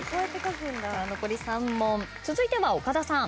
残り３問続いては岡田さん。